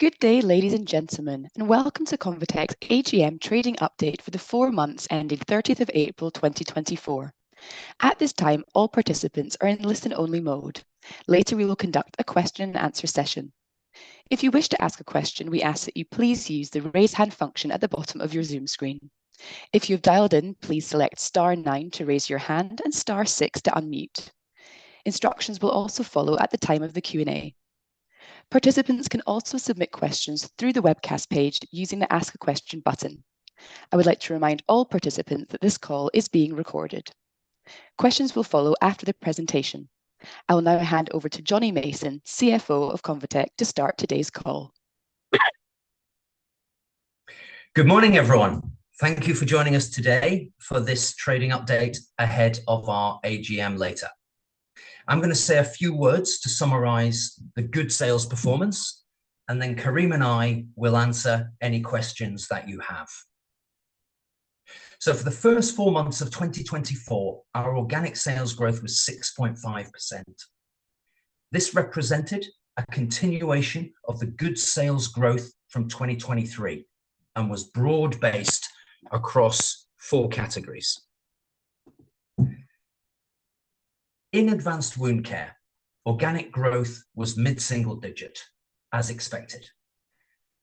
Good day, ladies and gentlemen, and welcome to Convatec's AGM trading update for the four months ending 30th of April, 2024. At this time, all participants are in listen-only mode. Later, we will conduct a Q&A session. If you wish to ask a question, we ask that you please use the Raise Hand function at the bottom of your Zoom screen. If you've dialed in, please select star nine to raise your hand and star six to unmute. Instructions will also follow at the time of the Q&A. Participants can also submit questions through the webcast page using the Ask a Question button. I would like to remind all participants that this call is being recorded. Questions will follow after the presentation. I will now hand over to Jonny Mason, CFO of Convatec, to start today's call. Good morning, everyone. Thank you for joining us today for this trading update ahead of our AGM later. I'm gonna say a few words to summarize the good sales performance, and then Karim and I will answer any questions that you have. For the first 4 months of 2024, our organic sales growth was 6.5%. This represented a continuation of the good sales growth from 2023 and was broad-based across four categories. In Advanced Wound Care, organic growth was mid-single digit, as expected.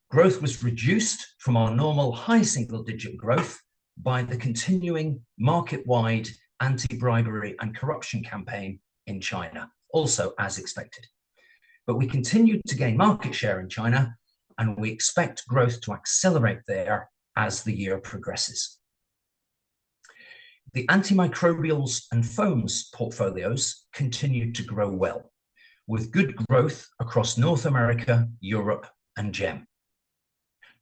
Growth was reduced from our normal high single-digit growth by the continuing market-wide anti-bribery and corruption campaign in China, also as expected. But we continued to gain market share in China, and we expect growth to accelerate there as the year progresses. The antimicrobials and foams portfolios continued to grow well, with good growth across North America, Europe, and GEM.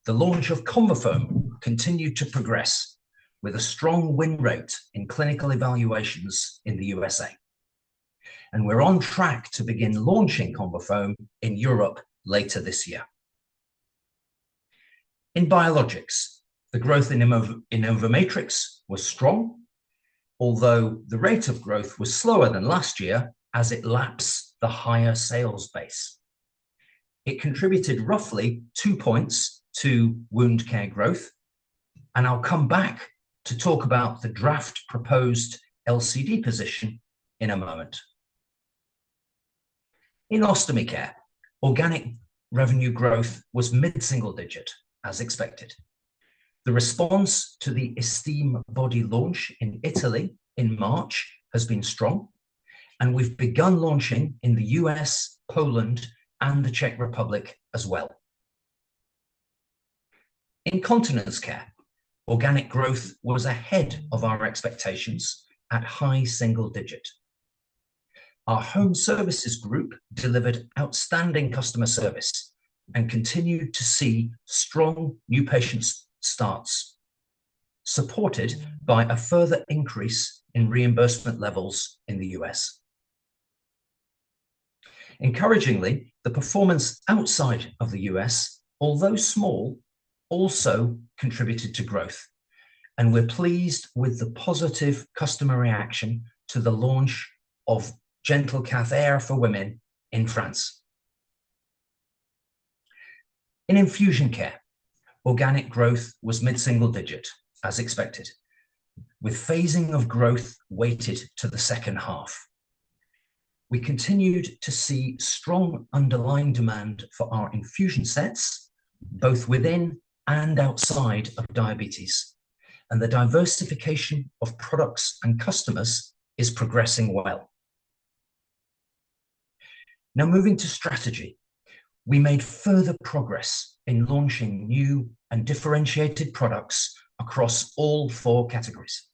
The launch of ConvaFoam continued to progress with a strong win rate in clinical evaluations in the U.S.A.. We're on track to begin launching ConvaFoam in Europe later this year. In biologics, the growth in InnovaMatrix was strong, although the rate of growth was slower than last year as it lapsed the higher sales base. It contributed roughly two points to wound care growth, and I'll come back to talk about the draft proposed LCD position in a moment. In ostomy care, organic revenue growth was mid-single digit, as expected. The response to the Esteem Body launch in Italy in March has been strong, and we've begun launching in the U.S., Poland, and the Czech Republic as well. In continence care, organic growth was ahead of our expectations at high single digit. Our Home Services Group delivered outstanding customer service and continued to see strong new patient starts, supported by a further increase in reimbursement levels in the U.S.. Encouragingly, the performance outside of the U.S., although small, also contributed to growth, and we're pleased with the positive customer reaction to the launch of GentleCath Air for Women in France. In infusion care, organic growth was mid-single digit, as expected, with phasing of growth weighted to the second half. We continued to see strong underlying demand for our infusion sets, both within and outside of diabetes, and the diversification of products and customers is progressing well. Now moving to strategy, we made further progress in launching new and differentiated products across all four categories.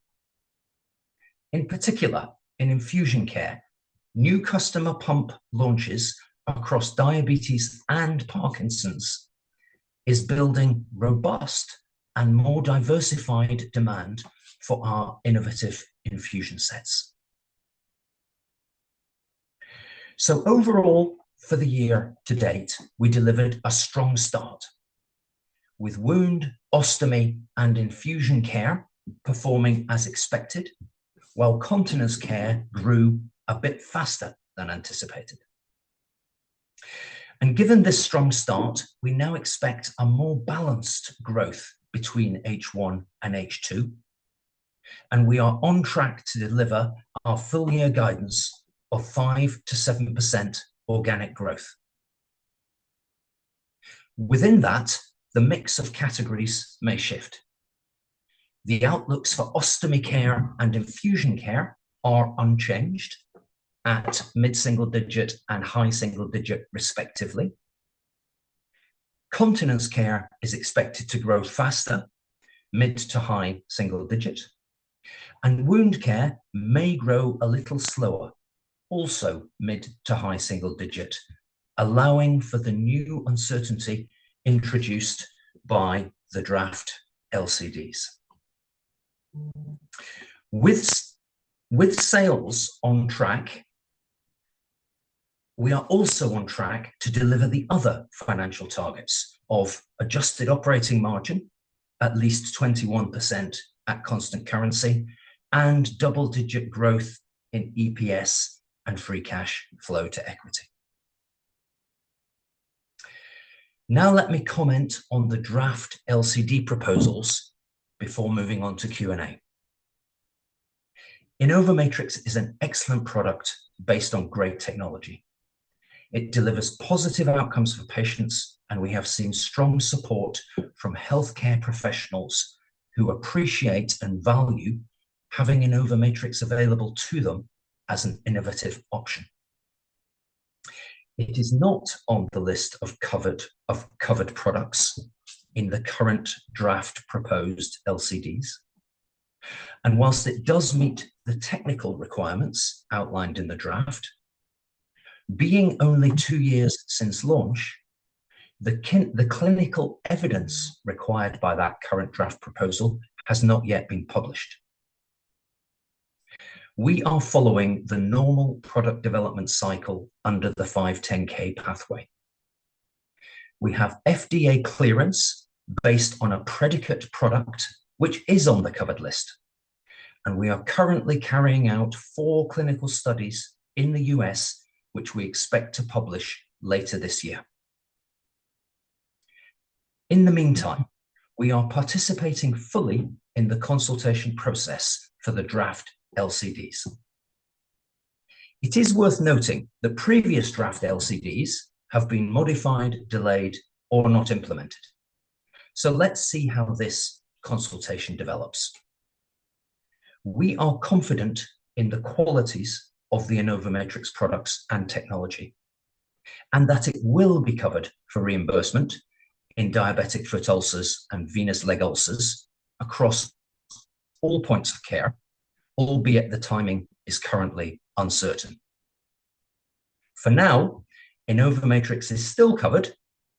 In particular, in infusion care, new customer pump launches across diabetes and Parkinson's is building robust and more diversified demand for our innovative infusion sets. So overall, for the year-to-date, we delivered a strong start with wound, ostomy, and infusion care performing as expected, while continence care grew a bit faster than anticipated. And given this strong start, we now expect a more balanced growth between H1 and H2, and we are on track to deliver our full year guidance of 5% to 7% organic growth. Within that, the mix of categories may shift. The outlooks for ostomy care and infusion care are unchanged at mid-single digit and high single digit, respectively. Continence care is expected to grow faster, mid to high single digit, and wound care may grow a little slower, also mid to high single digit, allowing for the new uncertainty introduced by the draft LCDs. With sales on track, we are also on track to deliver the other financial targets of adjusted operating margin- At least 21% at constant currency and double-digit growth in EPS and free cash flow to equity. Now let me comment on the draft LCD proposals before moving on to Q&A. InnovaMatrix is an excellent product based on great technology. It delivers positive outcomes for patients, and we have seen strong support from healthcare professionals who appreciate and value having InnovaMatrix available to them as an innovative option. It is not on the list of covered products in the current draft proposed LCDs, and while it does meet the technical requirements outlined in the draft, being only two years since launch, the clinical evidence required by that current draft proposal has not yet been published. We are following the normal product development cycle under the 510(k) pathway. We have FDA clearance based on a predicate product, which is on the covered list, and we are currently carrying out four clinical studies in the U.S., which we expect to publish later this year. In the meantime, we are participating fully in the consultation process for the draft LCDs. It is worth noting that previous draft LCDs have been modified, delayed, or not implemented. So let's see how this consultation develops. We are confident in the qualities of the InnovaMatrix products and technology, and that it will be covered for reimbursement in diabetic foot ulcers and venous leg ulcers across all points of care, albeit the timing is currently uncertain. For now, InnovaMatrix is still covered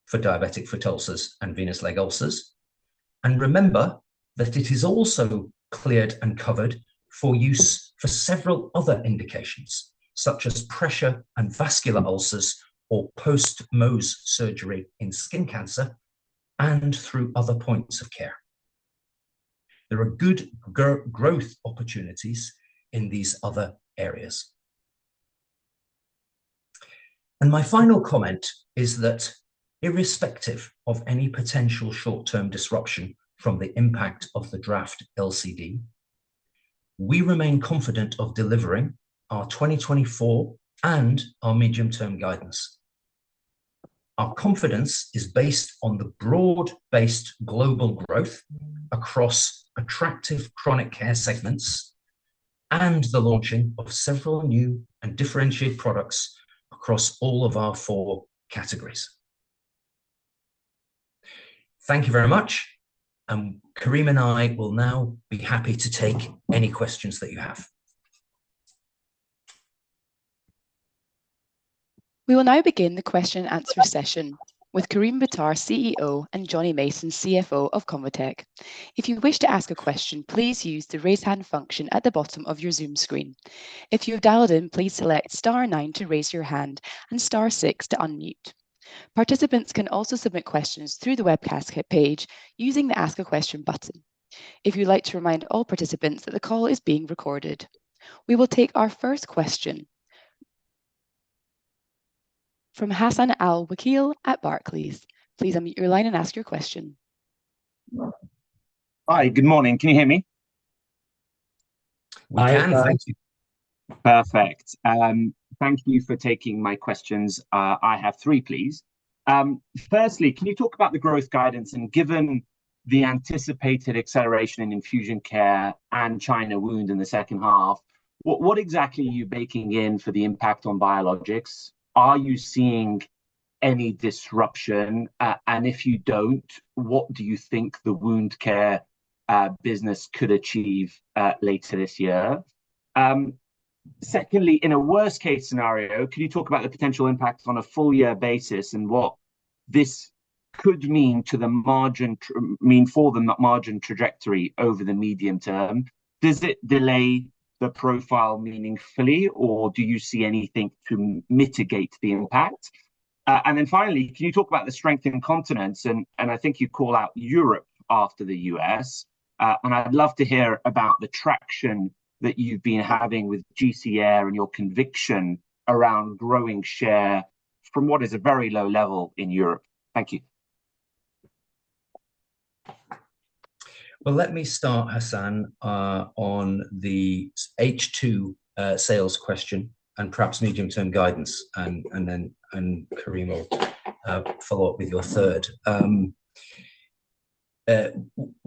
for diabetic foot ulcers and venous leg ulcers. Remember that it is also cleared and covered for use for several other indications, such as pressure and vascular ulcers or post-Mohs surgery in skin cancer and through other points of care. There are good growth opportunities in these other areas. My final comment is that irrespective of any potential short-term disruption from the impact of the draft LCD, we remain confident of delivering our 2024 and our medium-term guidance. Our confidence is based on the broad-based global growth across attractive chronic care segments and the launching of several new and differentiated products across all of our four categories. Thank you very much, and Karim and I will now be happy to take any questions that you have. We will now begin the Q&A session with Karim Bitar, CEO, and Jonny Mason, CFO of Convatec. If you wish to ask a question, please use the Raise Hand function at the bottom of your Zoom screen. If you have dialed in, please select star nine to raise your hand and star six to unmute. Participants can also submit questions through the webcast page using the Ask a Question button. If you'd like to remind all participants that the call is being recorded. We will take our first question from Hassan Al-Wakeel at Barclays. Please unmute your line and ask your question. Hi. Good morning. Can you hear me? I can. Thank you. Perfect. Thank you for taking my questions. I have three, please. Firstly, can you talk about the growth guidance, and given the anticipated acceleration in infusion care and China wound in the second half, what, what exactly are you baking in for the impact on biologics? Are you seeing any disruption? And if you don't, what do you think the wound care business could achieve later this year? Secondly, in a worst-case scenario, can you talk about the potential impact on a full-year basis and what this could mean for the margin trajectory over the medium term? Does it delay the profile meaningfully, or do you see anything to mitigate the impact? And then finally, can you talk about the strength in continence, and I think you call out Europe after the U.S.. I'd love to hear about the traction that you've been having with GC Air and your conviction around growing share from what is a very low level in Europe. Thank you. Well, let me start, Hassan, on the H2 sales question and perhaps medium-term guidance, and then Karim will follow up with your third.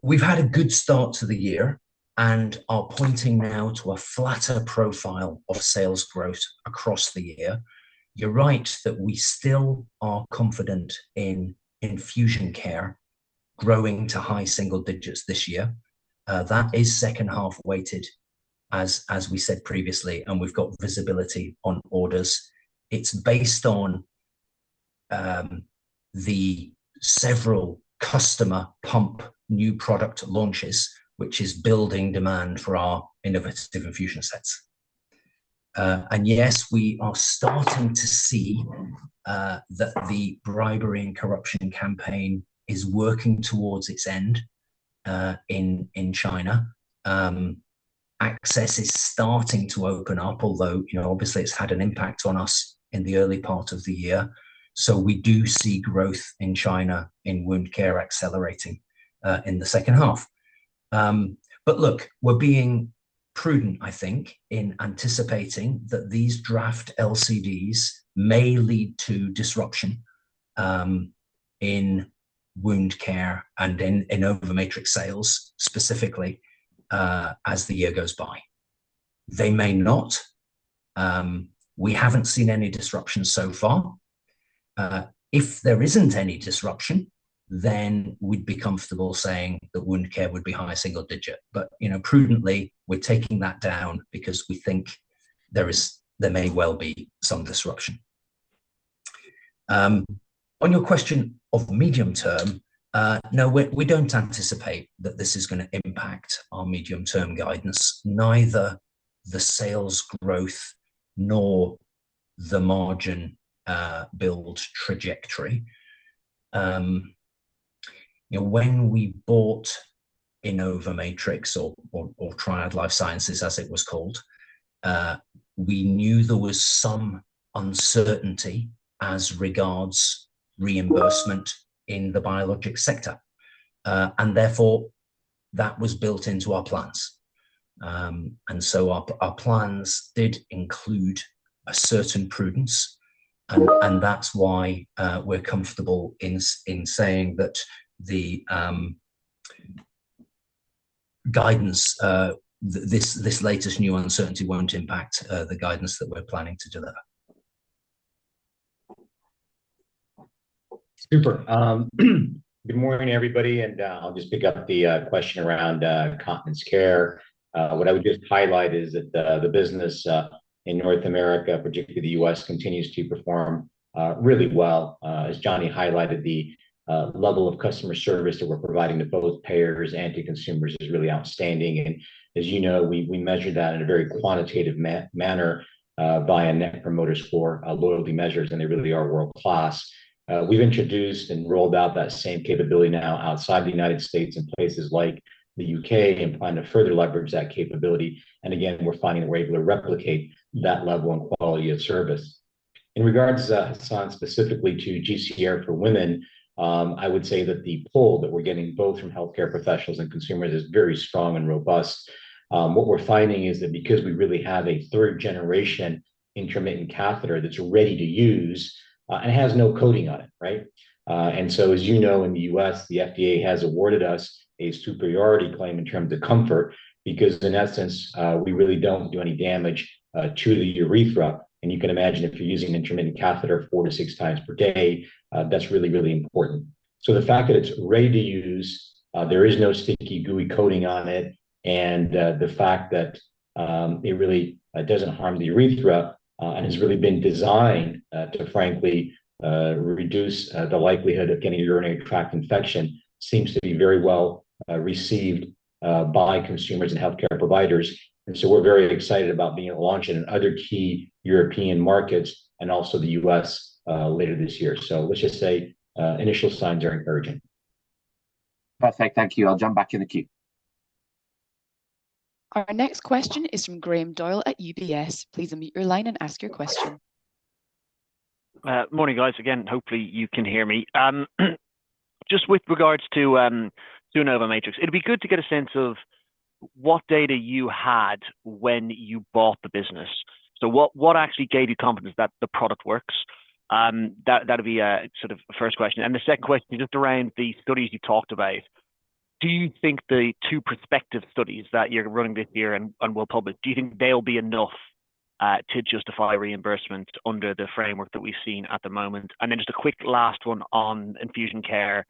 We've had a good start to the year and are pointing now to a flatter profile of sales growth across the year. You're right that we still are confident in infusion care growing to high single digits this year. That is second-half weighted, as we said previously, and we've got visibility on orders. It's based on the several customer pump new product launches, which is building demand for our innovative infusion sets. And yes, we are starting to see that the bribery and corruption campaign is working towards its end in China. Access is starting to open up, although, you know, obviously it's had an impact on us in the early part of the year. So we do see growth in China, in wound care accelerating, in the second half. But look, we're being prudent, I think, in anticipating that these draft LCDs may lead to disruption, in wound care and in, in InnovaMatrix sales, specifically, as the year goes by. They may not. We haven't seen any disruption so far. If there isn't any disruption, then we'd be comfortable saying that wound care would be high single digit. But, you know, prudently, we're taking that down because we think there may well be some disruption. On your question of medium term, no, we don't anticipate that this is gonna impact our medium-term guidance, neither the sales growth nor the margin build trajectory. You know, when we bought InnovaMatrix or Triad Life Sciences, as it was called, we knew there was some uncertainty as regards reimbursement in the biologic sector. And therefore, that was built into our plans. And so our plans did include a certain prudence, and that's why we're comfortable in saying that the guidance, this latest new uncertainty won't impact the guidance that we're planning to deliver. Super. Good morning, everybody, and I'll just pick up the question around continence care. What I would just highlight is that the business in North America, particularly the U.S., continues to perform really well. As Johnny highlighted, the level of customer service that we're providing to both payers and to consumers is really outstanding. And as you know, we measure that in a very quantitative manner via Net Promoter Score, loyalty measures, and they really are world-class. We've introduced and rolled out that same capability now outside the United States in places like the U.K., and plan to further leverage that capability. And again, we're finding a way to replicate that level and quality of service. In regards to Hassan, specifically to GentleCath Air for Women, I would say that the pull that we're getting both from healthcare professionals and consumers is very strong and robust. What we're finding is that because we really have a third-generation intermittent catheter that's ready to use, and has no coating on it, right? And so, as you know, in the U.S., the FDA has awarded us a superiority claim in terms of comfort, because in essence, we really don't do any damage, to the urethra. You can imagine if you're using an intermittent catheter four to six times per day, that's really, really important. So the fact that it's ready to use, there is no sticky, gooey coating on it, and the fact that it really doesn't harm the urethra and has really been designed to frankly reduce the likelihood of getting a urinary tract infection seems to be very well received by consumers and healthcare providers. And so we're very excited about being able to launch it in other key European markets and also the U.S. later this year. So let's just say initial signs are encouraging. Perfect. Thank you. I'll jump back in the queue. Our next question is from Graham Doyle at UBS. Please unmute your line and ask your question. Morning, guys, again, hopefully you can hear me. Just with regards to, to InnovaMatrix, it'd be good to get a sense of what data you had when you bought the business. So what actually gave you confidence that the product works? That'd be a sort of first question. And the second question is just around the studies you talked about. Do you think the two prospective studies that you're running this year and will publish, do you think they'll be enough to justify reimbursement under the framework that we've seen at the moment? And then just a quick last one on Infusion Care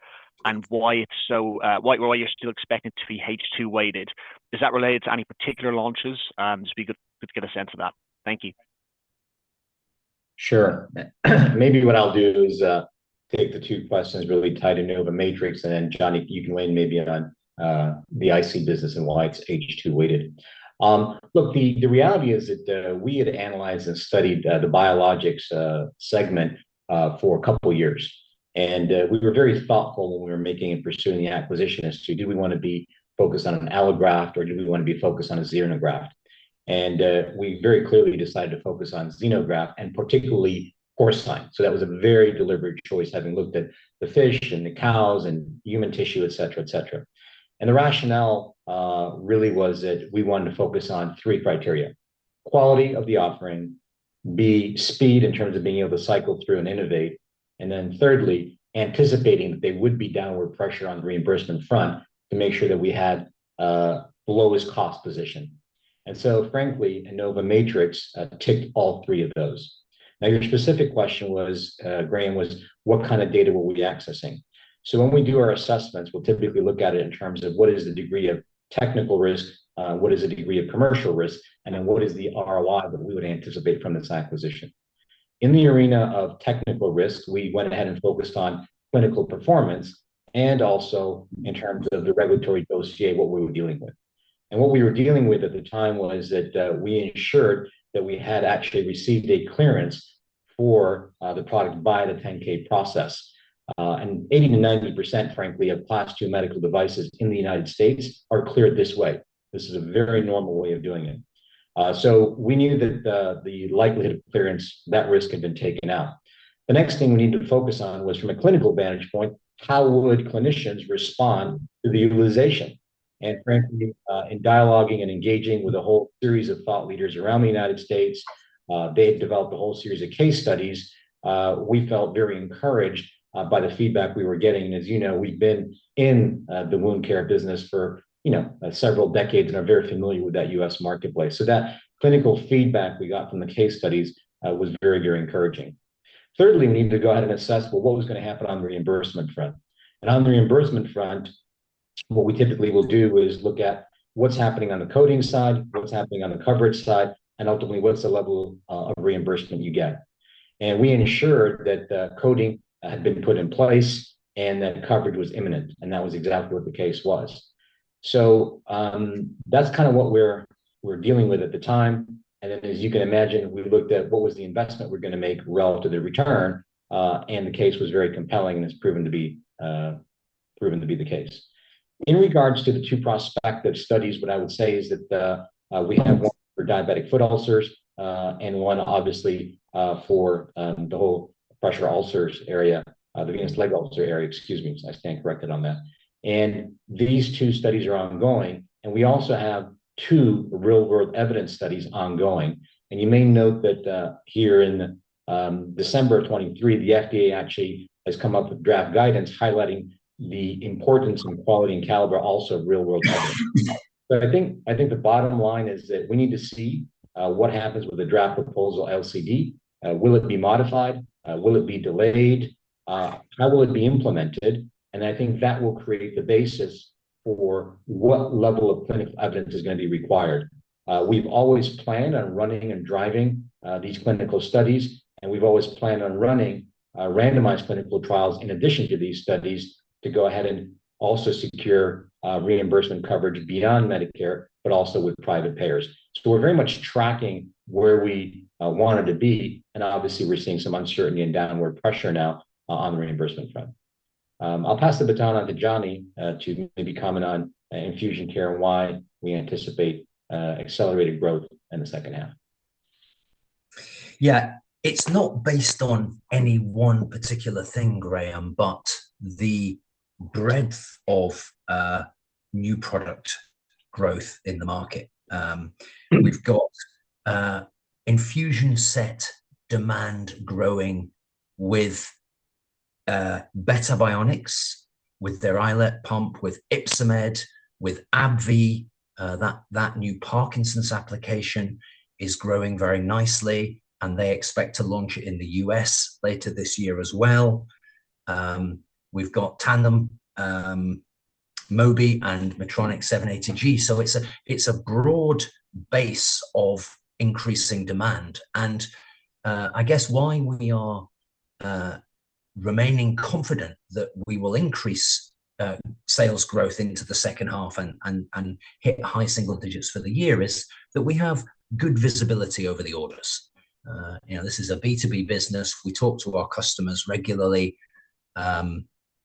and why it's so, why you're still expecting it to be H2-weighted. Is that related to any particular launches? Just be good to get a sense of that. Thank you. Sure. Maybe what I'll do is take the two questions really tied to InnovaMatrix, and then, Jonny, you can weigh in maybe on the IC business and why it's H2-weighted. Look, the reality is that we had analyzed and studied the biologics segment for a couple of years. And we were very thoughtful when we were making and pursuing the acquisition as to do we wanna be focused on an allograft, or do we wanna be focused on a xenograft? And we very clearly decided to focus on xenograft, and particularly porcine. So that was a very deliberate choice, having looked at the fish and the cows and human tissue, et cetera, et cetera. The rationale, really was that we wanted to focus on three criteria: quality of the offering; b, speed in terms of being able to cycle through and innovate; and then thirdly, anticipating that there would be downward pressure on the reimbursement front to make sure that we had, the lowest cost position. And so frankly, InnovaMatrix, ticked all three of those. Now, your specific question was, Graham, was what kind of data were we accessing? So when we do our assessments, we'll typically look at it in terms of what is the degree of technical risk, what is the degree of commercial risk, and then what is the ROI that we would anticipate from this acquisition? In the arena of technical risk, we went ahead and focused on clinical performance, and also in terms of the regulatory dossier, what we were dealing with. What we were dealing with at the time was that we ensured that we had actually received a clearance for the product by the 510(k) process. 80% to 90%, frankly, of Class II medical devices in the United States are cleared this way. This is a very normal way of doing it. So we knew that the likelihood of clearance, that risk had been taken out. The next thing we needed to focus on was from a clinical vantage point, how would clinicians respond to the utilization? Frankly, in dialoguing and engaging with a whole series of thought leaders around the United States, they had developed a whole series of case studies. We felt very encouraged by the feedback we were getting. As you know, we've been in the wound care business for, you know, several decades and are very familiar with that U.S. marketplace. So that clinical feedback we got from the case studies was very, very encouraging. Thirdly, we needed to go ahead and assess, well, what was gonna happen on the reimbursement front? And on the reimbursement front, what we typically will do is look at what's happening on the coding side, what's happening on the coverage side, and ultimately, what's the level of reimbursement you get. And we ensured that the coding had been put in place and that coverage was imminent, and that was exactly what the case was. So, that's kind of what we're dealing with at the time. Then as you can imagine, we looked at what was the investment we're gonna make relative to return, and the case was very compelling, and it's proven to be proven to be the case. In regards to the two prospective studies, what I would say is that we have one for diabetic foot ulcers, and one obviously for the whole pressure ulcers area, the venous leg ulcer area, excuse me, I stand corrected on that. And these two studies are ongoing, and we also have two real-world evidence studies ongoing. And you may note that here in December of 2023, the FDA actually has come up with draft guidance highlighting the importance and quality and caliber also of real-world evidence. So I think the bottom line is that we need to see what happens with the draft proposal LCD. Will it be modified? Will it be delayed? How will it be implemented? And I think that will create the basis for what level of clinical evidence is gonna be required. We've always planned on running and driving these clinical studies, and we've always planned on running randomized clinical trials in addition to these studies, to go ahead and also secure reimbursement coverage beyond Medicare, but also with private payers. So we're very much tracking where we wanted to be, and obviously, we're seeing some uncertainty and downward pressure now on the reimbursement front. I'll pass the baton on to Jonny, to maybe comment on infusion care and why we anticipate accelerated growth in the second half. Yeah. It's not based on any one particular thing, Graham, but the breadth of new product growth in the market. We've got infusion set demand growing with Beta Bionics, with their iLet pump, with Ipsomed, with AbbVie. That new Parkinson's application is growing very nicely, and they expect to launch it in the U.S. later this year as well. We've got Tandem, Mobi, and Medtronic 780G. So it's a broad base of increasing demand. And I guess why we are remaining confident that we will increase sales growth into the second half and hit high single digits for the year is that we have good visibility over the orders. You know, this is a B2B business. We talk to our customers regularly.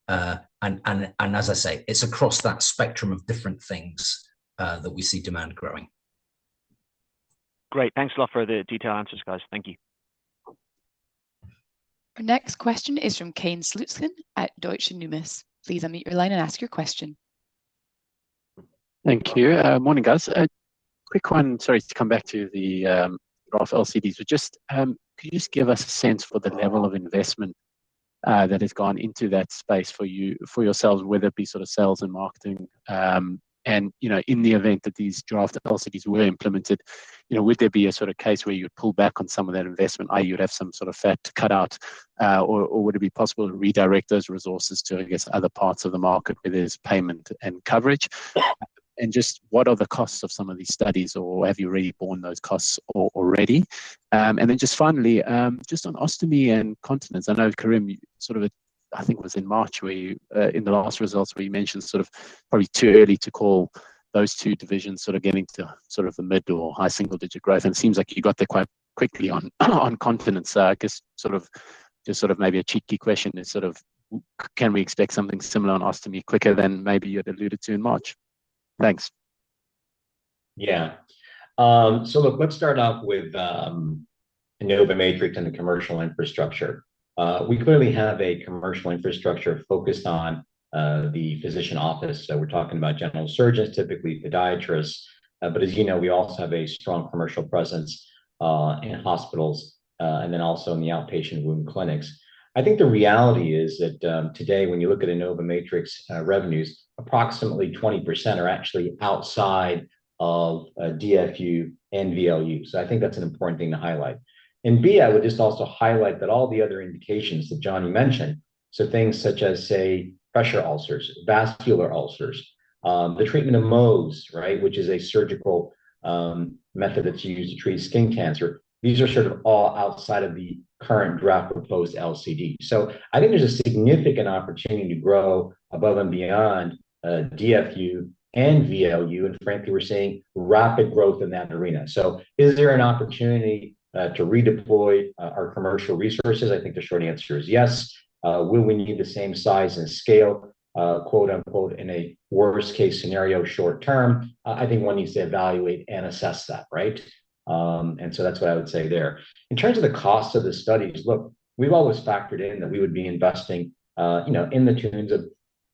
As I say, it's across that spectrum of different things that we see demand growing. Great. Thanks a lot for the detailed answers, guys. Thank you. Our next question is from Kane Slutzkin at Deutsche Numis. Please unmute your line and ask your question. Thank you. Morning, guys. A quick one, sorry, to come back to the draft LCDs. But just, can you just give us a sense for the level of investment that has gone into that space for you—for yourselves, whether it be sort of sales and marketing? And, you know, in the event that these draft policies were implemented, you know, would there be a sort of case where you would pull back on some of that investment, i.e., you'd have some sort of fat to cut out, or would it be possible to redirect those resources to, I guess, other parts of the market, whether it's payment and coverage? And just what are the costs of some of these studies, or have you already borne those costs already? And then just finally, just on ostomy and continence. I know, Karim, you sort of, I think it was in March, where you, in the last results, where you mentioned sort of probably too early to call those two divisions sort of getting to sort of the mid or high single-digit growth. And it seems like you got there quite quickly on, on confidence. I guess, sort of, just sort of maybe a cheeky question is sort of, can we expect something similar on ostomy quicker than maybe you had alluded to in March? Thanks. Yeah. So look, let's start off with InnovaMatrix and the commercial infrastructure. We clearly have a commercial infrastructure focused on the physician office. So we're talking about general surgeons, typically podiatrists. But as you know, we also have a strong commercial presence in hospitals and then also in the outpatient wound clinics. I think the reality is that today, when you look at InnovaMatrix revenues, approximately 20% are actually outside of DFU and VLU. So I think that's an important thing to highlight. And B, I would just also highlight that all the other indications that Jonny mentioned. So things such as, say, pressure ulcers, vascular ulcers, the treatment of Mohs, right, which is a surgical method that's used to treat skin cancer. These are sort of all outside of the current draft proposed LCD. So I think there's a significant opportunity to grow above and beyond, DFU and VLU, and frankly, we're seeing rapid growth in that arena. So is there an opportunity to redeploy our commercial resources? I think the short answer is yes. Will we need the same size and scale, quote, unquote, "in a worst-case scenario, short term?" I think one needs to evaluate and assess that, right? And so that's what I would say there. In terms of the cost of the studies, look, we've always factored in that we would be investing, you know, in the tens of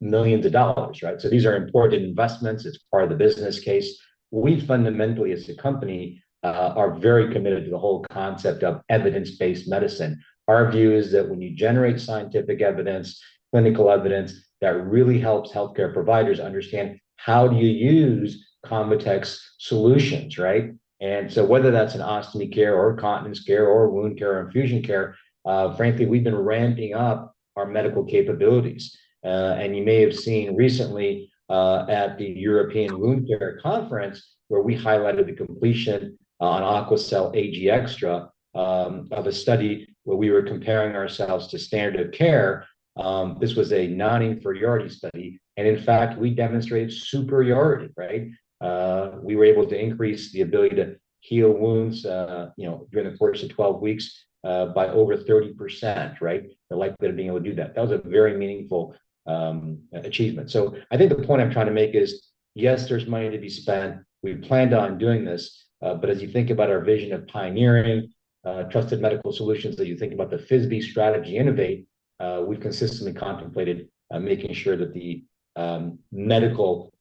millions of dollars, right? So these are important investments. It's part of the business case. We fundamentally, as a company, are very committed to the whole concept of evidence-based medicine. Our view is that when you generate scientific evidence, clinical evidence, that really helps healthcare providers understand how do you use Convatec's solutions, right? And so whether that's in ostomy care, or continence care, or wound care, or infusion care, frankly, we've been ramping up our medical capabilities. And you may have seen recently at the European Wound Care Conference, where we highlighted the completion on Aquacel Ag Extra of a study where we were comparing ourselves to standard care. This was a non-inferiority study, and in fact, we demonstrated superiority, right? We were able to increase the ability to heal wounds, you know, during the course of 12 weeks by over 30%, right? The likelihood of being able to do that. That was a very meaningful achievement. So I think the point I'm trying to make is, yes, there's money to be spent. We've planned on doing this, but as you think about our vision of pioneering, trusted medical solutions, that you think about the FISBE strategy innovate, we've consistently contemplated making sure that the medical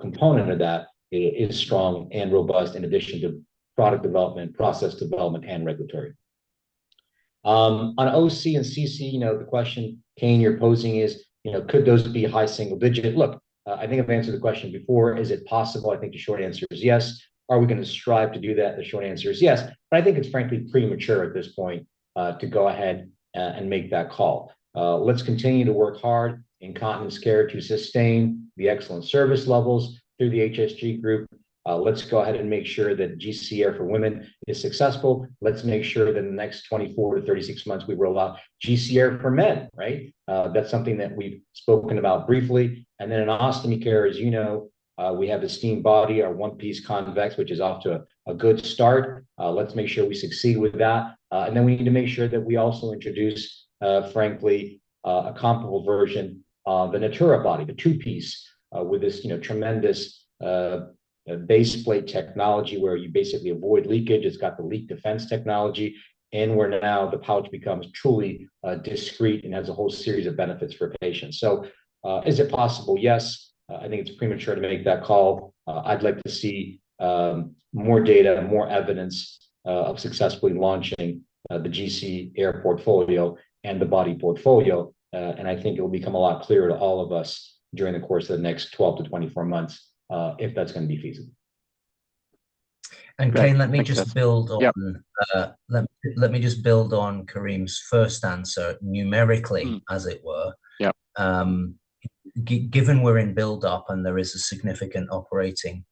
component of that is strong and robust, in addition to product development, process development, and regulatory. On OC and CC, you know, the question, Kane, you're posing is, you know, could those be high single digit? Look, I think I've answered the question before: Is it possible? I think the short answer is yes. Are we gonna strive to do that? The short answer is yes. But I think it's frankly premature at this point, to go ahead, and make that call. Let's continue to work hard in continence care to sustain the excellent service levels through the HSG group. Let's go ahead and make sure that GentleCath Air for Women is successful. Let's make sure that in the next 24 to 36 months, we roll out GentleCath Air for Men, right? That's something that we've spoken about briefly. And then in ostomy care, as you know, we have the Esteem Body, our one-piece convex, which is off to a good start. Let's make sure we succeed with that. And then we need to make sure that we also introduce, frankly, a comparable version of the Natura Body, the two-piece, with this, you know, tremendous base plate technology, where you basically avoid leakage. It's got the Leak Defense technology, and where now the pouch becomes truly discreet and has a whole series of benefits for patients. So, is it possible? Yes. I think it's premature to make that call. I'd like to see more data and more evidence of successfully launching the GC Air portfolio and the Body portfolio. And I think it will become a lot clearer to all of us during the course of the next 12 to 24 months if that's gonna be feasible. Kane, let me just build on- Yeah. Let me just build on Karim's first answer, numerically, as it were. Yeah. Given we're in build-up and there is a significant operating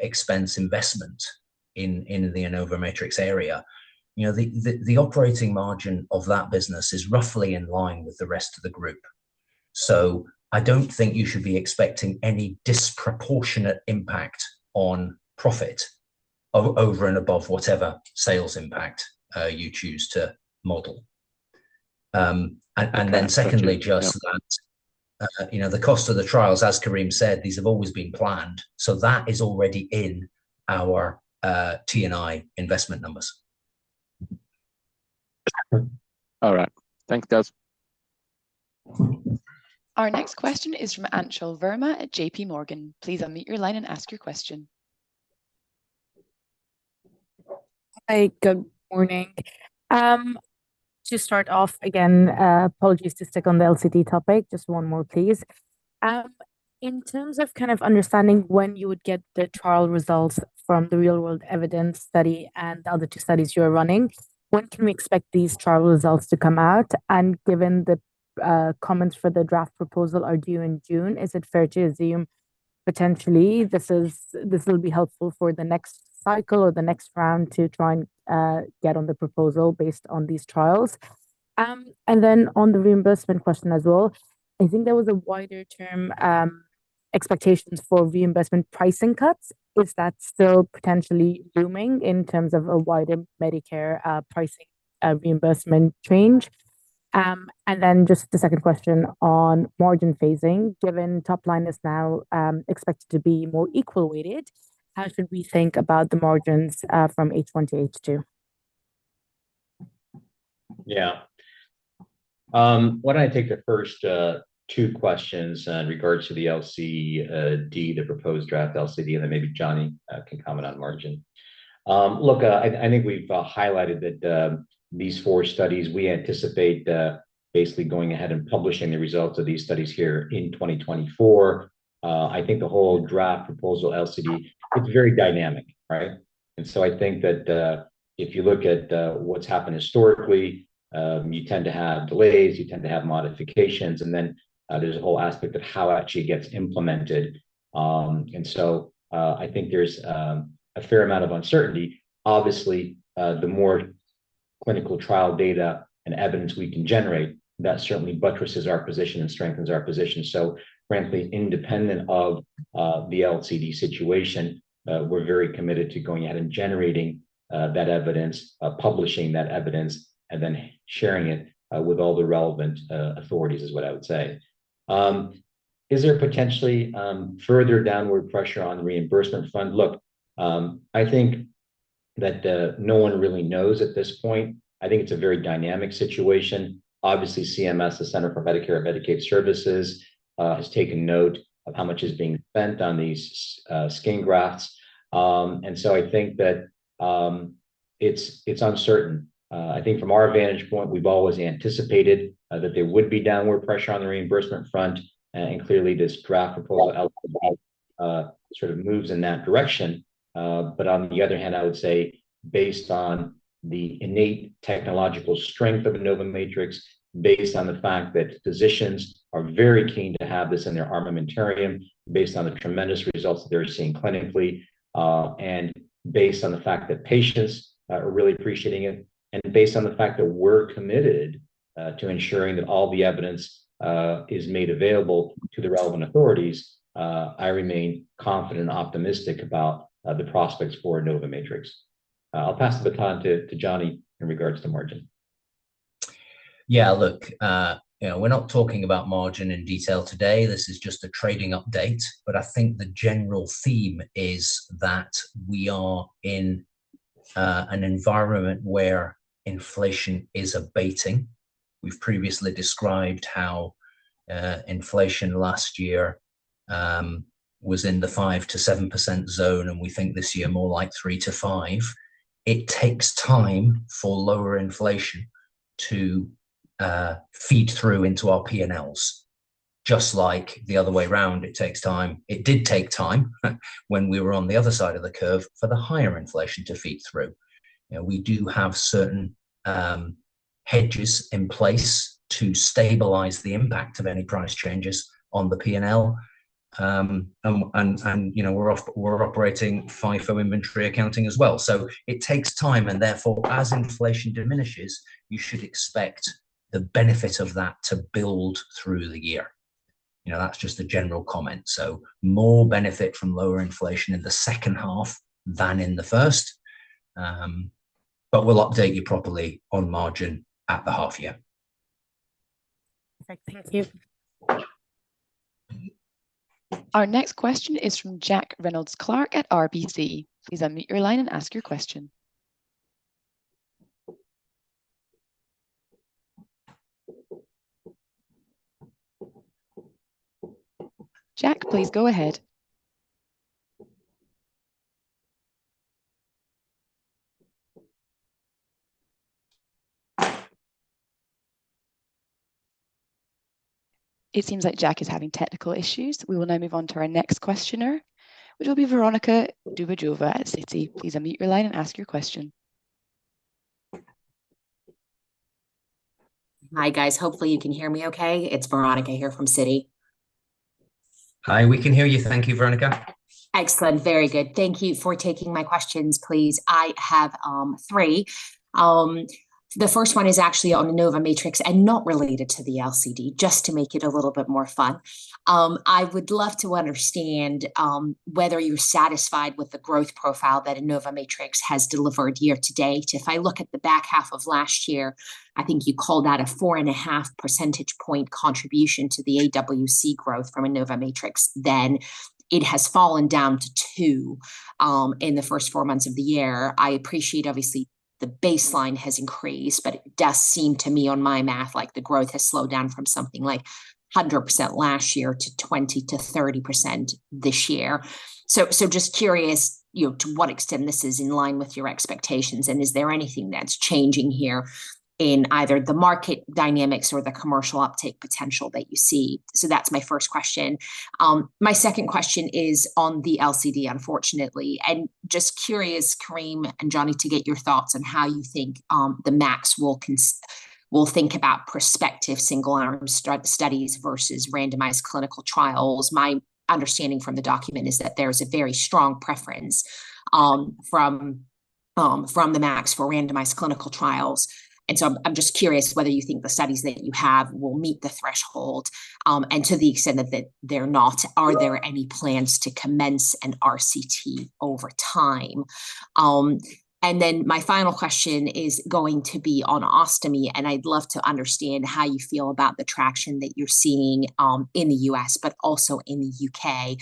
expense investment in the InnovaMatrix area, you know, the operating margin of that business is roughly in line with the rest of the group. So I don't think you should be expecting any disproportionate impact on profit over and above whatever sales impact you choose to model. And then secondly- Yeah just that, you know, the cost of the trials, as Karim said, these have always been planned, so that is already in our TNI investment numbers. All right. Thanks, guys. Our next question is from Anchal Verma at JPMorgan. Please unmute your line and ask your question. Hi, good morning. To start off again, apologies to stick on the LCD topic, just one more, please. In terms of kind of understanding when you would get the trial results from the real-world evidence study and the other two studies you are running, when can we expect these trial results to come out? And given the comments for the draft proposal are due in June, is it fair to assume potentially, this is- this will be helpful for the next cycle or the next round to try and get on the proposal based on these trials? And then on the reimbursement question as well, I think there was a wider term expectations for reimbursement pricing cuts. Is that still potentially looming in terms of a wider Medicare pricing reimbursement change? And then just the second question on margin phasing. Given top line is now expected to be more equal weighted, how should we think about the margins from H1 to H2? Yeah. Why don't I take the first two questions in regards to the LCD, the proposed draft LCD, and then maybe Jonny can comment on margin. Look, I think we've highlighted that these four studies we anticipate basically going ahead and publishing the results of these studies here in 2024. I think the whole draft proposal LCD, it's very dynamic, right? .and so I think that if you look at what's happened historically, you tend to have delays, you tend to have modifications, and then there's a whole aspect of how it actually gets implemented. And so, I think there's a fair amount of uncertainty. Obviously, the more clinical trial data and evidence we can generate, that certainly buttresses our position and strengthens our position. So frankly, independent of the LCD situation, we're very committed to going out and generating that evidence, publishing that evidence, and then sharing it with all the relevant authorities, is what I would say. Is there potentially further downward pressure on the reimbursement front? Look, I think that no one really knows at this point. I think it's a very dynamic situation. Obviously, CMS, the Centers for Medicare and Medicaid Services, has taken note of how much is being spent on these skin grafts. And so I think that it's uncertain. I think from our vantage point, we've always anticipated that there would be downward pressure on the reimbursement front, and clearly this draft proposal sort of moves in that direction. But on the other hand, I would say, based on the innate technological strength of InnovaMatrix, based on the fact that physicians are very keen to have this in their armamentarium, based on the tremendous results that they're seeing clinically, and based on the fact that patients are really appreciating it, and based on the fact that we're committed to ensuring that all the evidence is made available to the relevant authorities, I remain confident and optimistic about the prospects for InnovaMatrix. I'll pass the baton to Jonny in regards to margin. Yeah, look, you know, we're not talking about margin in detail today. This is just a trading update. But I think the general theme is that we are in an environment where inflation is abating. We've previously described how inflation last year was in the 5% to 7% zone, and we think this year more like 3% to 5%. It takes time for lower inflation to feed through into our P&Ls. Just like the other way around, it takes time. It did take time, when we were on the other side of the curve, for the higher inflation to feed through. You know, we do have certain hedges in place to stabilize the impact of any price changes on the P&L. And, and, and, you know, we're operating FIFO inventory accounting as well. So it takes time, and therefore, as inflation diminishes, you should expect the benefit of that to build through the year. You know, that's just a general comment, so more benefit from lower inflation in the second half than in the first. But we'll update you properly on margin at the half year. Perfect, thank you. Our next question is from Jack Reynolds-Clark at RBC. Please unmute your line and ask your question. Jack, please go ahead. It seems like Jack is having technical issues. We will now move on to our next questioner, which will be Veronika Dubajova at Citi. Please unmute your line and ask your question. Hi, guys. Hopefully you can hear me okay. It's Veronika here from Citi. Hi, we can hear you. Thank you, Veronika. Excellent. Very good. Thank you for taking my questions, please. I have three. The first one is actually on InnovaMatrix, and not related to the LCD, just to make it a little bit more fun. I would love to understand whether you're satisfied with the growth profile that InnovaMatrix has delivered year-to-date. If I look at the back half of last year, I think you called that a 4.5 percentage point contribution to the AWC growth from InnovaMatrix, then it has fallen down to 2 in the first four months of the year. I appreciate, obviously, the baseline has increased, but it does seem to me on my math like the growth has slowed down from something like 100% last year to 20% to 30% this year. So just curious, you know, to what extent this is in line with your expectations, and is there anything that's changing here in either the market dynamics or the commercial uptake potential that you see? So that's my first question. My second question is on the LCD, unfortunately. Just curious, Karim and Jonny, to get your thoughts on how you think the MAC will think about prospective single arm studies versus randomized clinical trials. My understanding from the document is that there's a very strong preference from the MAC for randomized clinical trials. And so I'm just curious whether you think the studies that you have will meet the threshold, and to the extent that they're not, are there any plans to commence an RCT over time? And then my final question is going to be on ostomy, and I'd love to understand how you feel about the traction that you're seeing in the U.S., but also in the U.K.,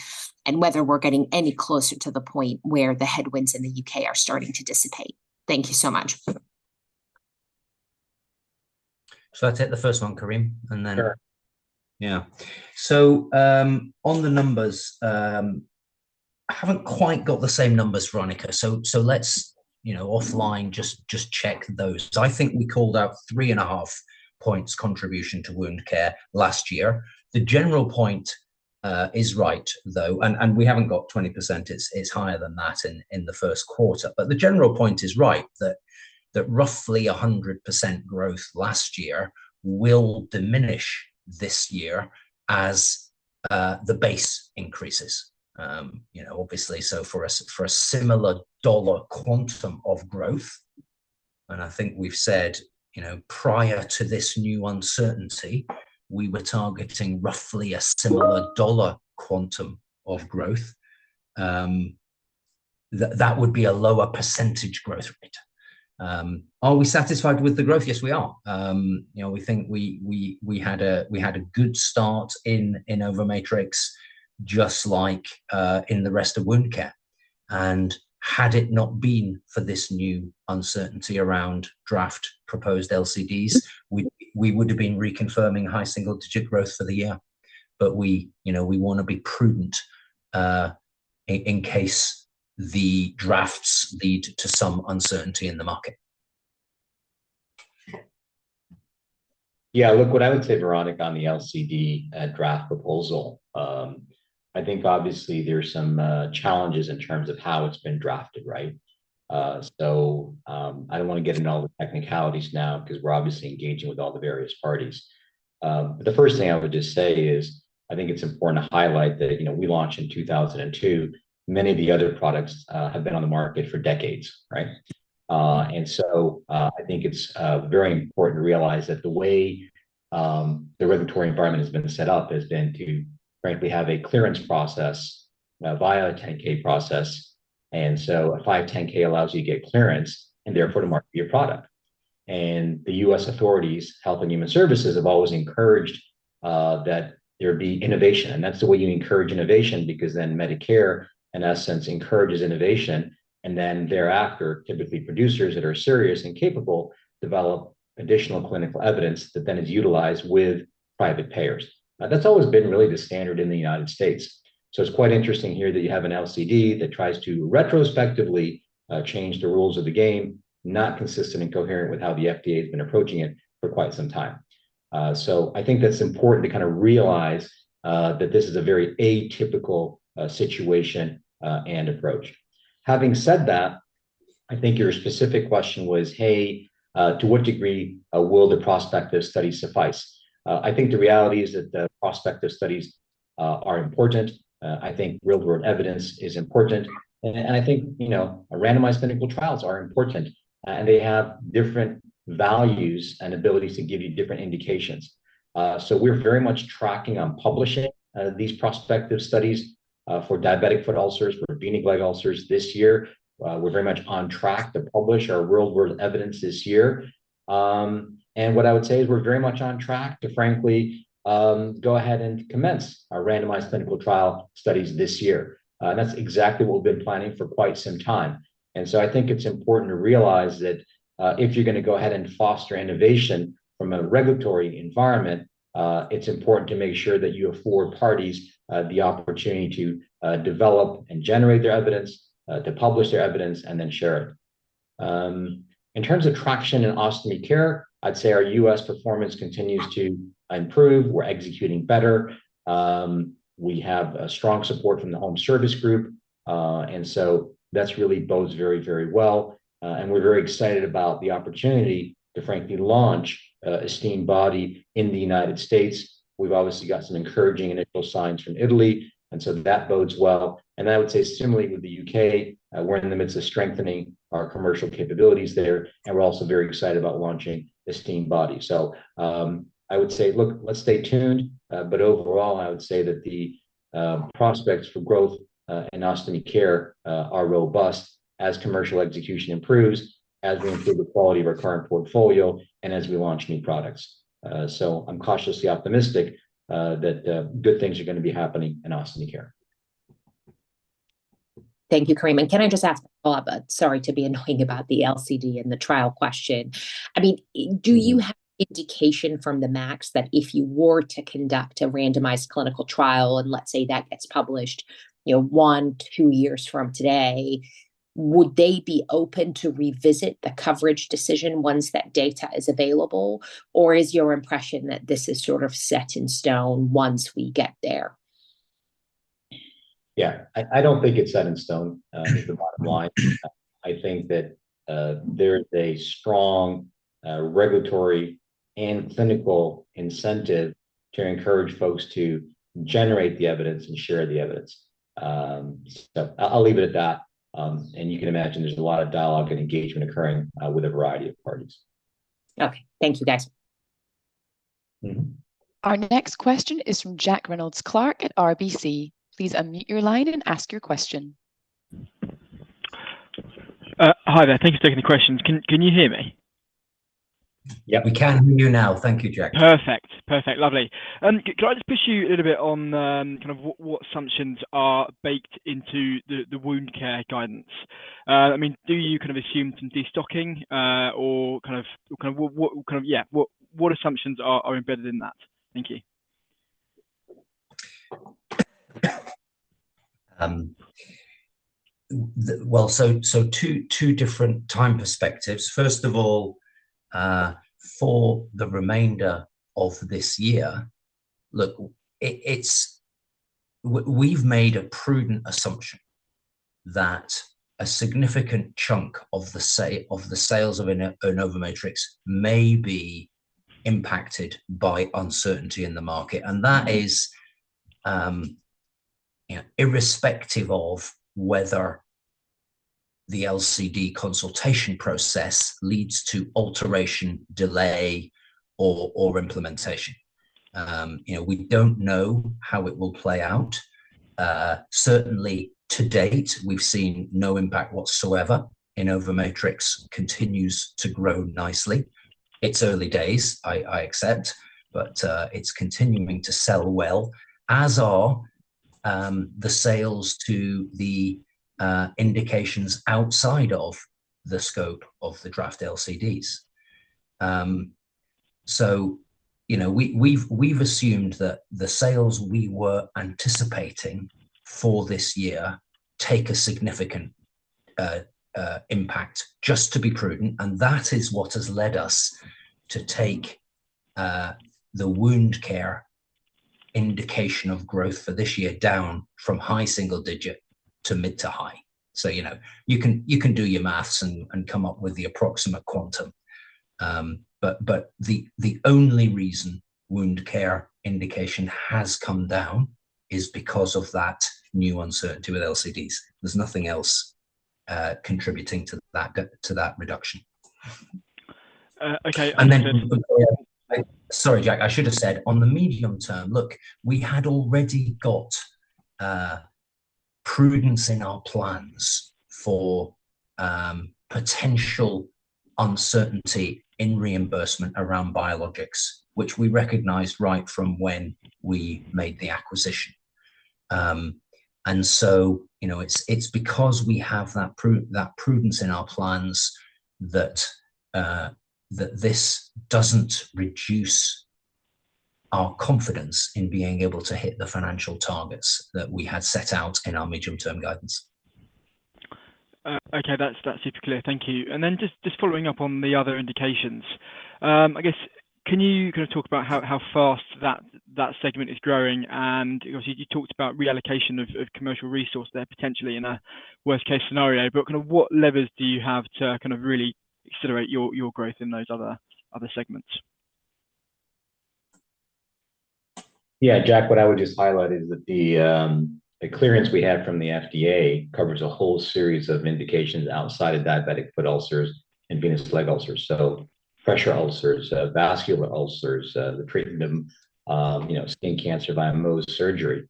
and whether we're getting any closer to the point where the headwinds in the U.K. are starting to dissipate? Thank you so much. Should I take the first one, Karim, and then- Sure. Yeah. So, on the numbers, I haven't quite got the same numbers, Veronica, so let's, you know, offline, just check those. So I think we called out 3.5 points contribution to wound care last year. The general point is right, though, and we haven't got 20%; it's higher than that in the first quarter. But the general point is right, that roughly 100% growth last year will diminish this year as the base increases. You know, obviously, so for a similar dollar quantum of growth, and I think we've said, you know, prior to this new uncertainty, we were targeting roughly a similar dollar quantum of growth. That would be a lower percentage growth rate. Are we satisfied with the growth? Yes, we are. You know, we think we had a good start in InnovaMatrix, just like in the rest of wound care. Had it not been for this new uncertainty around draft proposed LCDs, we would've been reconfirming high single-digit growth for the year. But we, you know, we wanna be prudent, in case the drafts lead to some uncertainty in the market. Yeah, look, what I would say, Veronika, on the LCD draft proposal, I think obviously there's some challenges in terms of how it's been drafted, right? So, I don't wanna get into all the technicalities now, 'cause we're obviously engaging with all the various parties. But the first thing I would just say is, I think it's important to highlight that, you know, we launched in 2002, many of the other products have been on the market for decades, right? And so, I think it's very important to realize that the way the regulatory environment has been set up has been to frankly have a clearance process via a 510(k) process. And so a 510(k) allows you to get clearance, and therefore to market your product. The U.S. authorities, Health and Human Services, have always encouraged that there be innovation, and that's the way you encourage innovation, because then Medicare, in essence, encourages innovation. Then thereafter, typically producers that are serious and capable develop additional clinical evidence that then is utilized with private payers. Now, that's always been really the standard in the United States. It's quite interesting here that you have an LCD that tries to retrospectively change the rules of the game, not consistent and coherent with how the FDA has been approaching it for quite some time. I think that's important to kind of realize that this is a very atypical situation and approach. Having said that, I think your specific question was, "Hey, to what degree will the prospective study suffice?" I think the reality is that the prospective studies are important. I think real-world evidence is important. And I think, you know, randomized clinical trials are important, and they have different values and abilities to give you different indications. So we're very much tracking on publishing these prospective studies for diabetic foot ulcers, for venous leg ulcers this year. We're very much on track to publish our real-world evidence this year. And what I would say is we're very much on track to frankly go ahead and commence our randomized clinical trial studies this year. That's exactly what we've been planning for quite some time. I think it's important to realize that, if you're gonna go ahead and foster innovation from a regulatory environment, it's important to make sure that you afford parties the opportunity to develop and generate their evidence, to publish their evidence, and then share it. In terms of traction in Ostomy Care, I'd say our U.S. performance continues to improve. We're executing better. We have a strong support from the Home Services Group, and so that's really bodes very, very well. And we're very excited about the opportunity to frankly launch Esteem Body in the United States. We've obviously got some encouraging initial signs from Italy, and so that bodes well. I would say similarly with the U.K., we're in the midst of strengthening our commercial capabilities there, and we're also very excited about launching Esteem Body. So, I would say, look, let's stay tuned, but overall, I would say that the prospects for growth in Ostomy Care are robust as commercial execution improves, as we improve the quality of our current portfolio, and as we launch new products. So I'm cautiously optimistic that good things are gonna be happening in Ostomy Care. Thank you, Karim. Can I just ask, sorry to be annoying about the LCD and the trial question? I mean, do you have indication from the MAC that if you were to conduct a randomized clinical trial, and let's say that gets published, you know, one, 2 years from today, would they be open to revisit the coverage decision once that data is available? Or is your impression that this is sort of set in stone once we get there? Yeah, I don't think it's set in stone is the bottom line. I think that there's a strong regulatory and clinical incentive to encourage folks to generate the evidence and share the evidence. So I'll leave it at that. And you can imagine there's a lot of dialogue and engagement occurring with a variety of parties. Okay. Thank you, guys. Mm-hmm. Our next question is from Jack Reynolds-Clark at RBC. Please unmute your line and ask your question. Hi there. Thank you for taking the questions. Can you hear me? Yeah, we can hear you now. Thank you, Jack. Perfect. Perfect, lovely. Can I just push you a little bit on kind of what assumptions are baked into the wound care guidance? I mean, do you kind of assume some destocking, or kind of what kind of? Yeah, what assumptions are embedded in that? Thank you. the, well, so two different time perspectives. First of all, for the remainder of this year, it's, we've made a prudent assumption that a significant chunk of the of the sales of InnovaMatrix may be impacted by uncertainty in the market. And that is, irrespective of whether the LCD consultation process leads to alteration, delay, or implementation. You know, we don't know how it will play out. Certainly to date, we've seen no impact whatsoever. InnovaMatrix continues to grow nicely. It's early days, I accept, but it's continuing to sell well, as are the sales to the indications outside of the scope of the draft LCDs. So, you know, we've assumed that the sales we were anticipating for this year take a significant impact, just to be prudent, and that is what has led us to take the wound care indication of growth for this year down from high single digit to mid to high. So, you know, you can do your math and come up with the approximate quantum. But the only reason wound care indication has come down is because of that new uncertainty with LCDs. There's nothing else contributing to that reduction. Okay, and then- Sorry, Jack, I should have said, on the medium term, look, we had already got prudence in our plans for potential uncertainty in reimbursement around biologics, which we recognized right from when we made the acquisition. And so, you know, it's, it's because we have that prudence in our plans that this doesn't reduce our confidence in being able to hit the financial targets that we had set out in our medium-term guidance. Okay, that's, that's super clear. Thank you. And then just, just following up on the other indications, I guess, can you kind of talk about how, how fast that, that segment is growing? And, of course, you talked about reallocation of, of commercial resource there, potentially in a worst-case scenario, but kind of what levers do you have to kind of really accelerate your, your growth in those other, other segments? Yeah, Jack, what I would just highlight is that the clearance we had from the FDA covers a whole series of indications outside of diabetic foot ulcers and venous leg ulcers. So pressure ulcers, vascular ulcers, the treatment of, you know, skin cancer by Mohs surgery.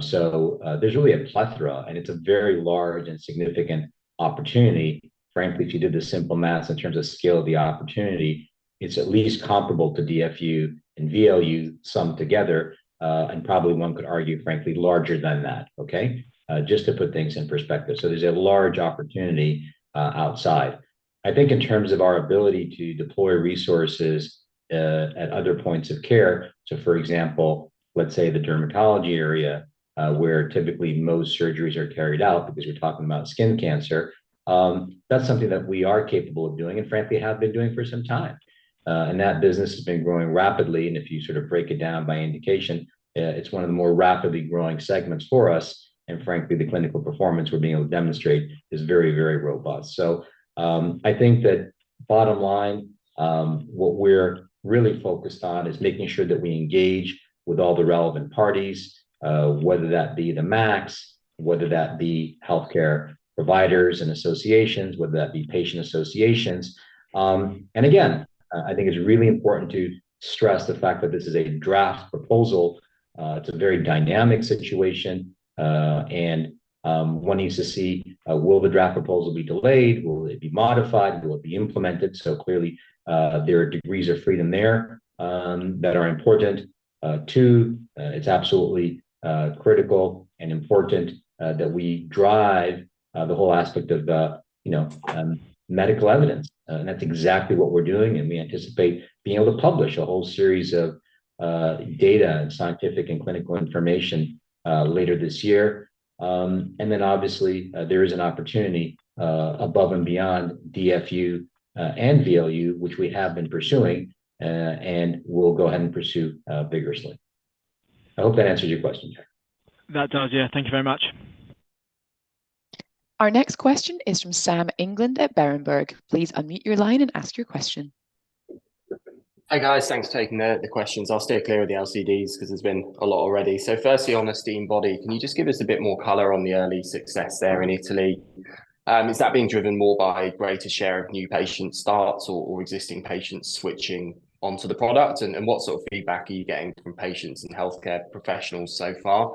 So there's really a plethora, and it's a very large and significant opportunity. Frankly, if you did the simple math in terms of scale of the opportunity, it's at least comparable to DFU and VLU summed together, and probably one could argue, frankly, larger than that. Okay? Just to put things in perspective. So there's a large opportunity, outside. I think in terms of our ability to deploy resources at other points of care, so for example, let's say the dermatology area, where typically Mohs surgeries are carried out, because we're talking about skin cancer, that's something that we are capable of doing and frankly have been doing for some time. And that business has been growing rapidly, and if you sort of break it down by indication, it's one of the more rapidly growing segments for us, and frankly, the clinical performance we're being able to demonstrate is very, very robust. So, I think that bottom line, what we're really focused on is making sure that we engage with all the relevant parties, whether that be the MACs, whether that be healthcare providers and associations, whether that be patient associations. And again, I think it's really important to stress the fact that this is a draft proposal. It's a very dynamic situation, and one needs to see, will the draft proposal be delayed? Will it be modified? Will it be implemented? So clearly, there are degrees of freedom there that are important. Two, it's absolutely critical and important that we drive the whole aspect of the, you know, medical evidence, and that's exactly what we're doing, and we anticipate being able to publish a whole series of data and scientific and clinical information later this year. And then obviously, there is an opportunity above and beyond DFU and VLU, which we have been pursuing, and we'll go ahead and pursue vigorously. I hope that answers your question, Jack. That does, yeah. Thank you very much. Our next question is from Sam England at Berenberg. Please unmute your line and ask your question. Hi, guys. Thanks for taking the questions. I'll stay clear of the LCDs, 'cause there's been a lot already. So firstly, on Esteem Body, can you just give us a bit more color on the early success there in Italy? Is that being driven more by greater share of new patient starts or existing patients switching onto the product? And what sort of feedback are you getting from patients and healthcare professionals so far?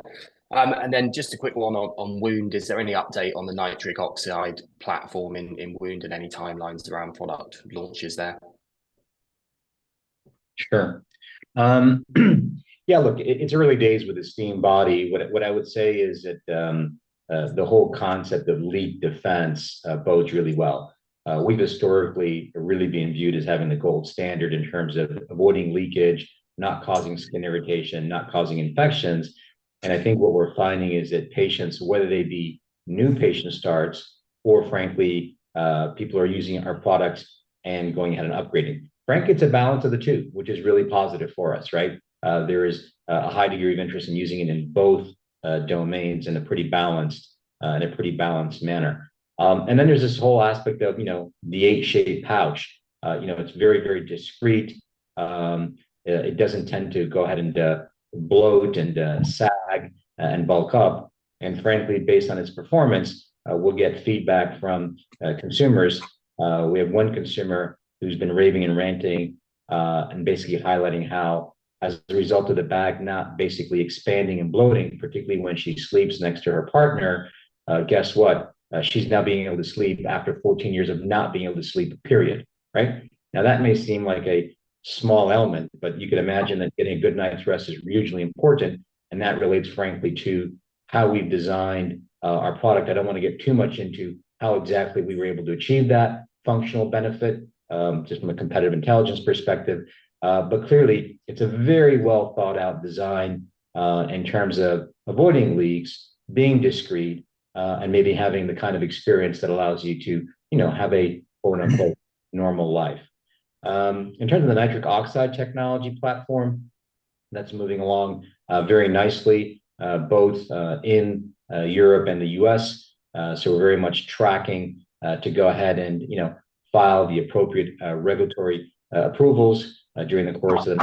And then just a quick one on wound. Is there any update on the nitric oxide platform in wound and any timelines around product launches there? Sure. Yeah, look, it's early days with Esteem Body. What I would say is that the whole concept of Leak Defense bodes really well. We've historically really been viewed as having the gold standard in terms of avoiding leakage, not causing skin irritation, not causing infections. And I think what we're finding is that patients, whether they be new patient starts or frankly, people are using our products and going ahead and upgrading. Frankly, it's a balance of the two, which is really positive for us, right? There is a high degree of interest in using it in both domains in a pretty balanced manner. And then there's this whole aspect of, you know, the 8-shaped pouch. You know, it's very, very discreet. It doesn't tend to go ahead and bloat and sag and bulk up. Frankly, based on its performance, we'll get feedback from consumers. We have one consumer who's been raving and ranting and basically highlighting how as a result of the bag not basically expanding and bloating, particularly when she sleeps next to her partner, guess what? She's now being able to sleep after 14 years of not being able to sleep, period. Right? Now, that may seem like a small element, but you can imagine that getting a good night's rest is hugely important, and that relates, frankly, to how we've designed our product. I don't wanna get too much into how exactly we were able to achieve that functional benefit, just from a competitive intelligence perspective. But clearly, it's a very well thought out design, in terms of avoiding leaks, being discreet, and maybe having the kind of experience that allows you to, you know, have a quote-unquote "normal life." In terms of the nitric oxide technology platform, that's moving along very nicely, both in Europe and the U.S. So we're very much tracking to go ahead and, you know, file the appropriate regulatory approvals during the course of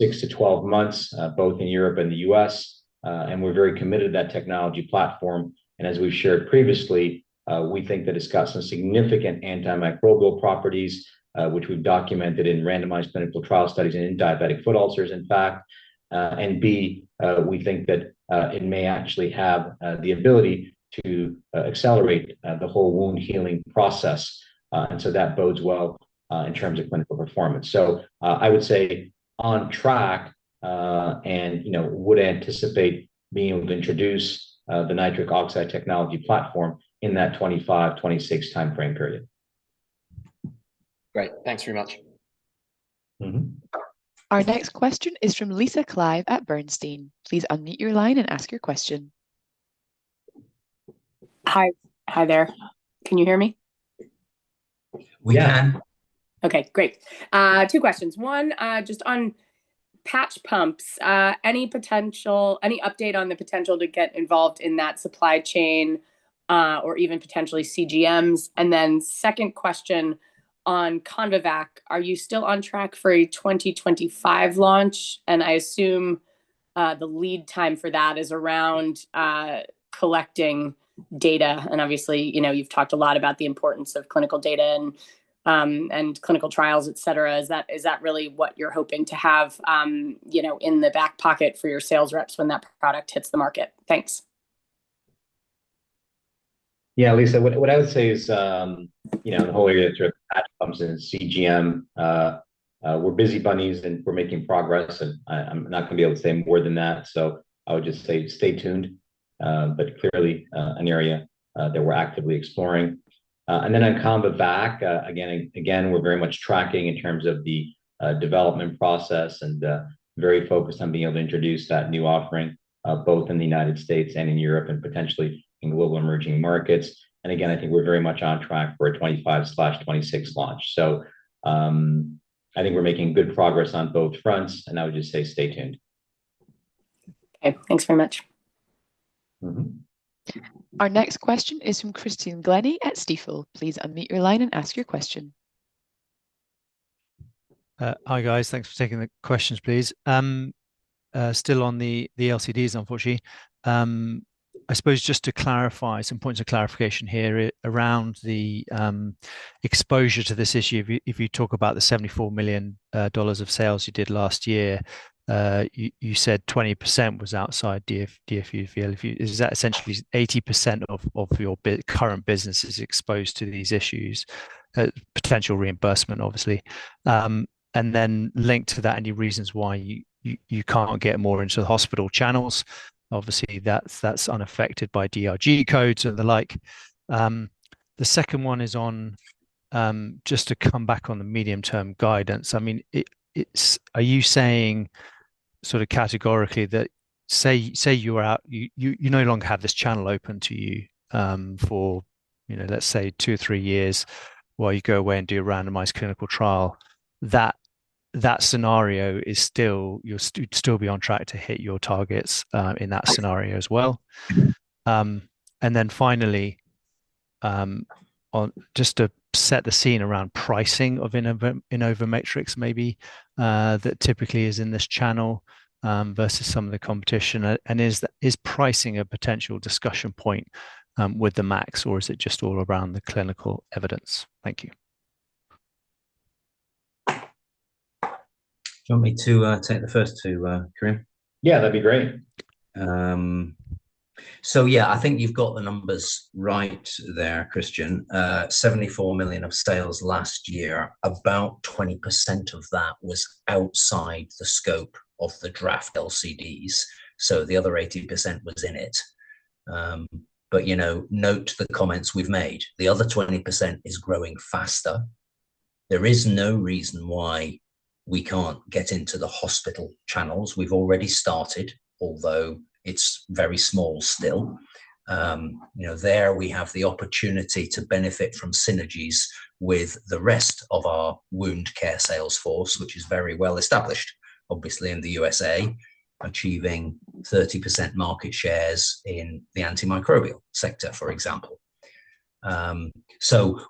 6 to 12 months, both in Europe and the U.S. And we're very committed to that technology platform, and as we've shared previously, we think that it's got some significant antimicrobial properties, which we've documented in randomized clinical trial studies and in diabetic foot ulcers, in fact. And B, we think that it may actually have the ability to accelerate the whole wound healing process. And so that bodes well in terms of clinical performance. So, I would say on track, and you know, would anticipate being able to introduce the nitric oxide technology platform in that 25 to 26 timeframe period. Great. Thanks very much. Mm-hmm. Our next question is from Lisa Clive at Bernstein. Please unmute your line and ask your question. Hi. Hi there. Can you hear me? We can. Yeah. Okay, great. Two questions. One, just on patch pumps. Any potential. Any update on the potential to get involved in that supply chain, or even potentially CGMs? And then second question on CombiVac. Are you still on track for a 2025 launch? And I assume, the lead time for that is around, collecting data. And obviously, you know, you've talked a lot about the importance of clinical data and, and clinical trials, et cetera. Is that, is that really what you're hoping to have, you know, in the back pocket for your sales reps when that product hits the market? Thanks. Yeah, Lisa, what I would say is, you know, the whole area of patch pumps and CGM, we're busy bunnies, and we're making progress, and I'm not gonna be able to say more than that. So I would just say, stay tuned. But clearly, an area that we're actively exploring. And then on CombiVac, again, we're very much tracking in terms of the development process and very focused on being able to introduce that new offering, both in the United States and in Europe, and potentially in the global emerging markets. And again, I think we're very much on track for a 2025/2026 launch. So, I think we're making good progress on both fronts, and I would just say stay tuned. Okay. Thanks very much. Mm-hmm. Our next question is from Christian Sheridan at Stifel. Please unmute your line and ask your question. Hi, guys. Thanks for taking the questions, please. Still on the LCDs, unfortunately. I suppose just to clarify some points of clarification here around the exposure to this issue. If you talk about the $74 million of sales you did last year, you said 20% was outside DFU field. Is that essentially 80% of your current business is exposed to these issues? Potential reimbursement, obviously. And then linked to that, any reasons why you can't get more into the hospital channels? Obviously, that's unaffected by DRG codes and the like. The second one is on just to come back on the medium-term guidance. I mean, it's. Are you saying sort of categorically that, say, say you are out, you no longer have this channel open to you, for, you know, let's say, 2 or 3 years, while you go away and do a randomized clinical trial, that scenario is still, you'll still be on track to hit your targets, in that scenario as well? And then finally, on just to set the scene around pricing of InnovaMatrix, maybe that typically is in this channel, versus some of the competition. And is pricing a potential discussion point, with the MACs, or is it just all around the clinical evidence? Thank you. Do you want me to take the first two, Karim? Yeah, that'd be great. So yeah, I think you've got the numbers right there, Christian. 74 million of sales last year, about 20% of that was outside the scope of the draft LCDs, so the other 80% was in it. But, you know, note the comments we've made. The other 20% is growing faster. There is no reason why we can't get into the hospital channels. We've already started, although it's very small still. You know, there we have the opportunity to benefit from synergies with the rest of our wound care sales force, which is very well established, obviously, in the U.S.A., achieving 30% market shares in the antimicrobial sector, for example. So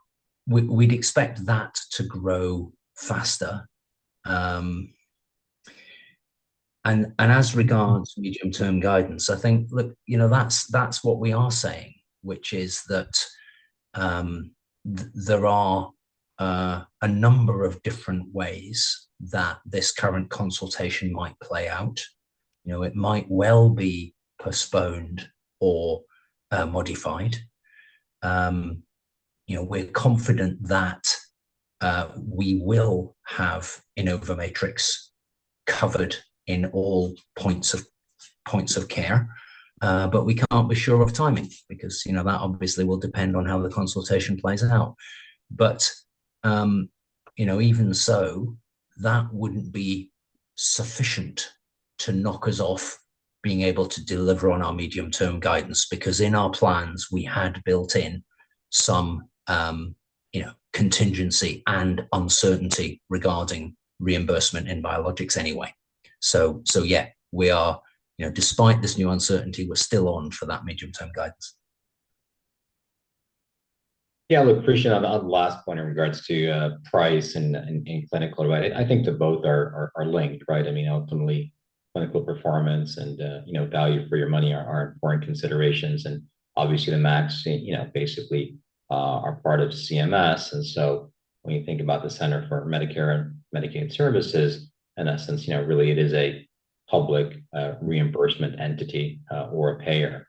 we, we'd expect that to grow faster. And as regards medium-term guidance, I think, look, you know, that's what we are saying, which is that there are a number of different ways that this current consultation might play out. You know, it might well be postponed or modified. You know, we're confident that we will have InnovaMatrix covered in all points of care. But we can't be sure of timing because, you know, that obviously will depend on how the consultation plays out. But you know, even so, that wouldn't be sufficient to knock us off being able to deliver on our medium-term guidance. Because in our plans, we had built in some, you know, contingency and uncertainty regarding reimbursement in biologics anyway. So yeah, we are. You know, despite this new uncertainty, we're still on for that medium-term guidance. Yeah, look, I appreciate on the last point in regards to price and clinical, right? I think they both are linked, right? I mean, ultimately, clinical performance and, you know, value for your money are important considerations, and obviously the MACs, you know, basically, are part of CMS. And so when you think about the Centers for Medicare and Medicaid Services, in essence, you know, really it is a public reimbursement entity or a payer.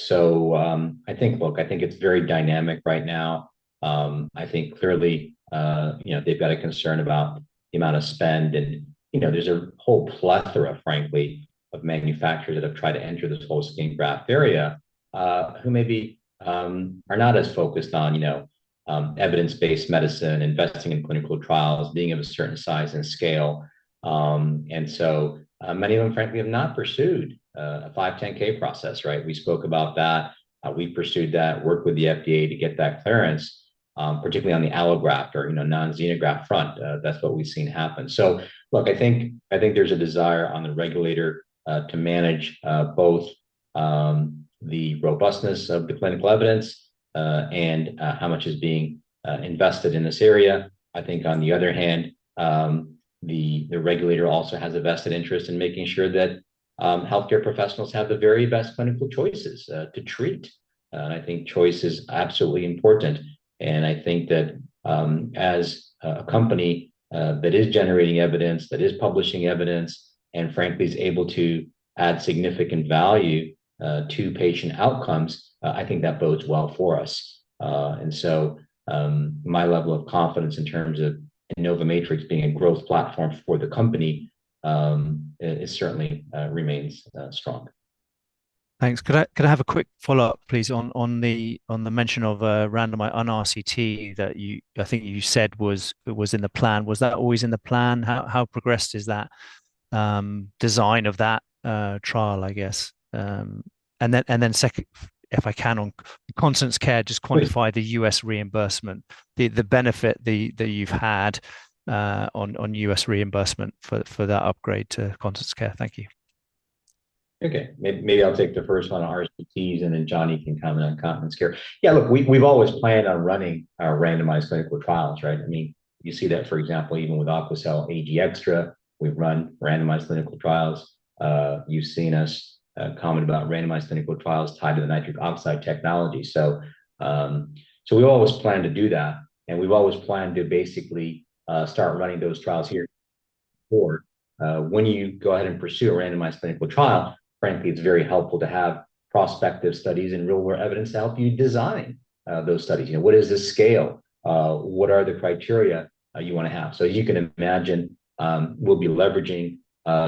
So, I think, look, I think it's very dynamic right now. I think clearly, you know, they've got a concern about the amount of spend and, you know, there's a whole plethora, frankly, of manufacturers that have tried to enter the total skin graft area, who maybe, are not as focused on, you know, evidence-based medicine, investing in clinical trials, being of a certain size and scale. And so, many of them, frankly, have not pursued, a 510(k) process, right? We spoke about that. We pursued that, worked with the FDA to get that clearance, particularly on the allograft or, you know, non-xenograft front. That's what we've seen happen. So look, I think, I think there's a desire on the regulator, to manage, both, the robustness of the clinical evidence, and, how much is being, invested in this area. I think on the other hand, the regulator also has a vested interest in making sure that healthcare professionals have the very best clinical choices to treat. And I think choice is absolutely important, and I think that as a company that is generating evidence, that is publishing evidence, and frankly, is able to add significant value to patient outcomes, I think that bodes well for us. And so, my level of confidence in terms of InnovaMatrix being a growth platform for the company, it certainly remains strong. Thanks. Could I have a quick follow-up, please, on the mention of a randomized RCT that you. I think you said was in the plan. Was that always in the plan? How progressed is that design of that trial, I guess? And then second, if I can, on continence care- Please. just quantify the U.S. reimbursement, the benefit that you've had on U.S. reimbursement for that upgrade to continence care. Thank you. Okay, maybe I'll take the first one on RCTs, and then Jonny can comment on continence care. Yeah, look, we've always planned on running our randomized clinical trials, right? I mean, you see that, for example, even with Aquacel AG Extra, we've run randomized clinical trials. You've seen us comment about randomized clinical trials tied to the nitric oxide technology. So, so we've always planned to do that, and we've always planned to basically start running those trials here. Or, when you go ahead and pursue a randomized clinical trial, frankly, it's very helpful to have prospective studies and real-world evidence to help you design those studies. You know, what is the scale? What are the criteria you wanna have? So you can imagine, we'll be leveraging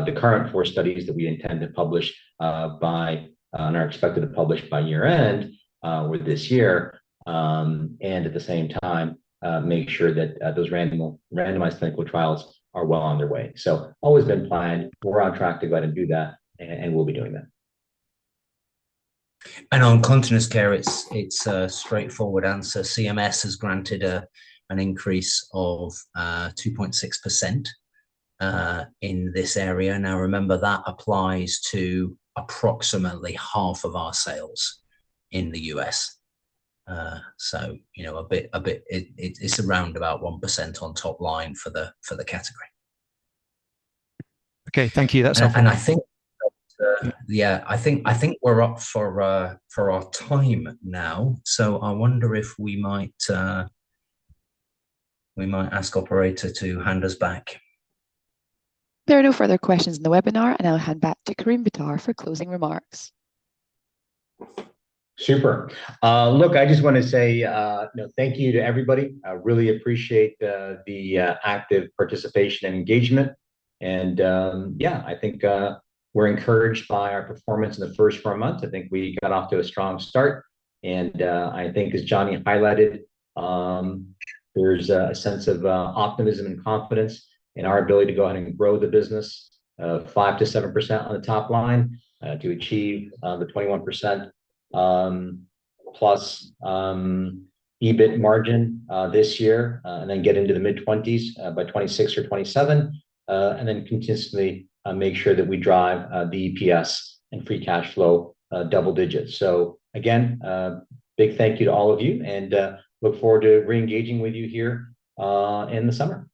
the current four studies that we intend to publish by and are expected to publish by year-end with this year. And at the same time, make sure that those randomized clinical trials are well on their way. So always been planned. We're on track to go ahead and do that, and we'll be doing that. On continence care, it's a straightforward answer. CMS has granted an increase of 2.6% in this area. Now, remember, that applies to approximately half of our sales in the U.S. So, you know, a bit. It's around about 1% on top line for the category. Okay, thank you. That's helpful. I think, yeah, we're up for our time now. So I wonder if we might ask operator to hand us back. There are no further questions in the webinar, and I'll hand back to Karim Bitar for closing remarks. Super. Look, I just wanna say, you know, thank you to everybody. I really appreciate the active participation and engagement, and yeah, I think we're encouraged by our performance in the first four months. I think we got off to a strong start, and I think as Jonny highlighted, there's a sense of optimism and confidence in our ability to go ahead and grow the business 5% to 7% on the top line, to achieve the 21% plus EBIT margin this year. And then get into the mid-20s by 2026 or 2027, and then consistently make sure that we drive the EPS and free cash flow double digits. So again, big thank you to all of you, and look forward to reengaging with you here in the summer.